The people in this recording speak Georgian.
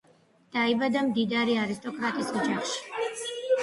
დაიბადა მდიდარი არისტოკრატის ოჯახში.